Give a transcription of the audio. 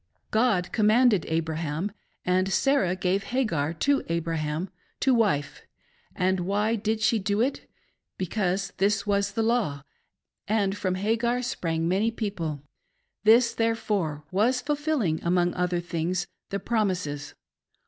God commanded Abraham, and Sarah gave Hagar to Abraham, to wife. And why did she do it ? Because this was the law, and from Hagar sprang many people. This, therefore, was fulfilling, among other things, the promises.